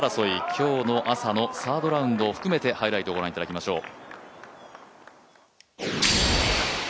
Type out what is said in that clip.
今日の朝のサードラウンドを含めてハイライトをご覧いただきましょう。